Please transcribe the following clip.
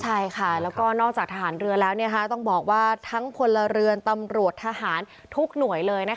ใช่ค่ะและนอกจากทหารเรือแล้วทั้งทั้งผลเรือนตำรวจทหารทุกหน่วยเลย